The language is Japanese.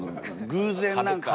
偶然何か？